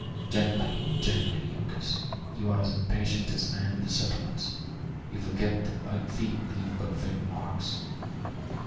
Gently, gently, Uncas, you are as impatient as a man in the settlements; you forget that light feet leave but faint marks!"